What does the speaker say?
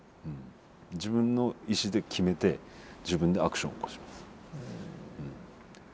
自分の意志で決めて自分でアクション起こします。